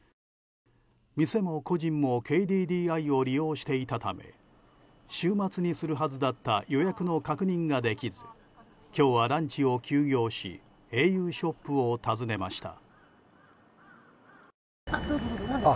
店も個人もＫＤＤＩを利用していたため週末にするはずだった予約の確認ができず今日はランチを休業しａｕショップを訪ねました。